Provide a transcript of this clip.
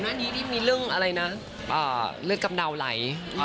ตอนนี้ที่มีเรื่องอะไรนะเลิศกำเดาไหล